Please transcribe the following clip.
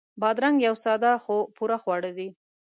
بادرنګ یو ساده خو پوره خواړه دي.